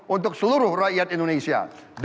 untuk seluruh rakyat indonesia